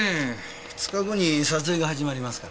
２日後に撮影が始まりますから。